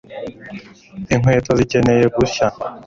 Inkweto zikeneye gusya